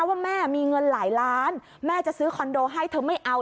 ว่าแม่มีเงินหลายล้านแม่จะซื้อคอนโดให้เธอไม่เอา